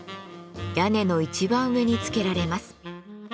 屋根の一番上につけられます。